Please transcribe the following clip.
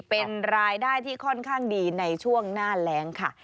เป็นรายได้ที่ค่อนข้างดีในช่วงหน้าแรงค่ะ